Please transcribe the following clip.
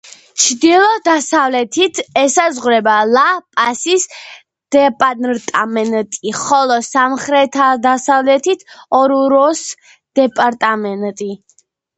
ჩრდილო-დასავლეთით ესაზღვრება ლა-პასის დეპარტამენტი, ხოლო სამხრეთ-დასავლეთით ორუროს დეპარტამენტი.